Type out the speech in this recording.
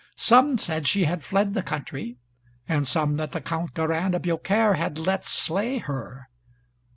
Some said she had fled the country, and some that the Count Garin de Biaucaire had let slay her.